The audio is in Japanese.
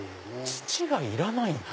土がいらないんだ。